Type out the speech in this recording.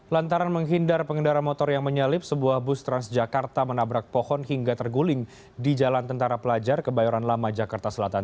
lantaran menghindar pengendara motor yang menyalip sebuah bus transjakarta menabrak pohon hingga terguling di jalan tentara pelajar kebayoran lama jakarta selatan